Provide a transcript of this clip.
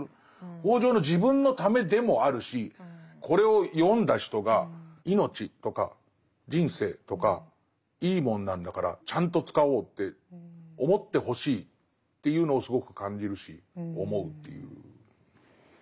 北條の自分のためでもあるしこれを読んだ人が命とか人生とかいいもんなんだからちゃんと使おうって思ってほしいっていうのをすごく感じるし思うっていう。